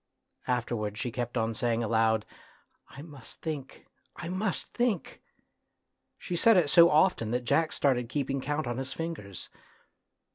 Afterwards she kept on saying aloud, " I must think, I must think !" She said it so often that Jack started keeping count on his fingers.